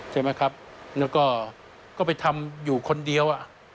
ใช่ไหมครับแล้วก็ไปทำอยู่คนเดียว